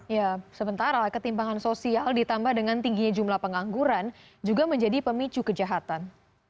ya sementara ketimpangan sosial ditambah dengan tingginya jumlah pengangguran juga menjadi pemicu kejahatan